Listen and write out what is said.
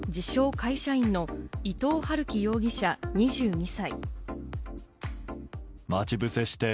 会社員の伊藤龍稀容疑者２２歳。